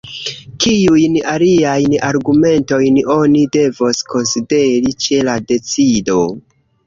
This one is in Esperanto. Kiujn aliajn argumentojn oni devos konsideri ĉe la decido?